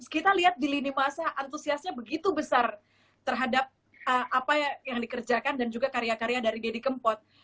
kita lihat di lini masa antusiasnya begitu besar terhadap apa yang dikerjakan dan juga karya karya dari deddy kempot